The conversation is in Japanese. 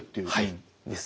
はいですね。